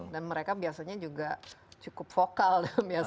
dan mereka biasanya juga cukup vokal